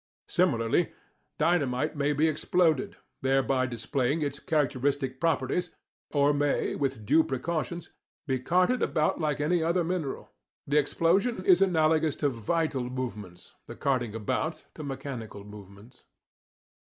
Similarly dynamite may be exploded, thereby displaying its characteristic properties, or may (with due precautions) be carted about like any other mineral. The explosion is analogous to vital movements, the carting about to mechanical movements.